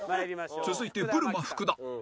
続いてブルマ福田